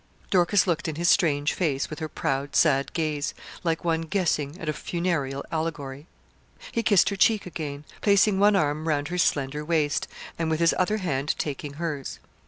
Dorcas looked in his strange face with her proud, sad gaze, like one guessing at a funereal allegory. He kissed her cheek again, placing one arm round her slender waist, and with his other hand taking hers.